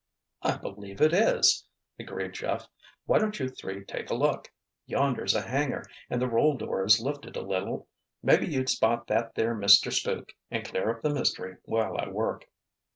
"I believe it is!" agreed Jeff. "Why don't you three take a look. Yonder's a hangar and the roll door is lifted a little. Maybe you'd spot that there Mister Spook and clear up the mystery while I work."